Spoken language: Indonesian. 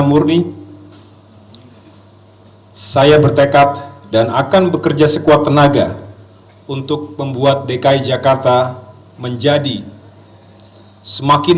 murni hai saya bertekad dan akan bekerja sekuat tenaga untuk membuat dki jakarta menjadi semakin